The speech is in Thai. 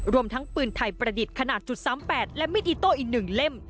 รวมทั้งปืนไทยประดิษฐ์ขนาดจุดสามแปดและมิดอิโต้อีกหนึ่งเล่ม